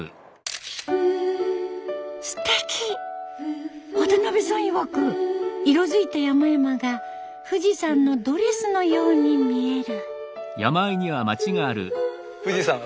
ステキ！渡邉さんいわく色づいた山々が富士山のドレスのように見える。